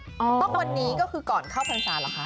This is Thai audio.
ต้องวันนี้ก็คือก่อนเข้าพรรษาเหรอคะ